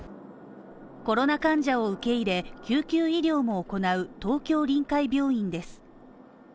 コロナ患者を受け入れ、救急医療も行う東京臨海病院です。